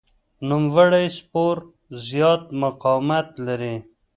نوموړی سپور زیات مقاومت لري.